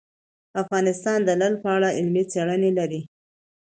افغانستان د لعل په اړه علمي څېړنې لري.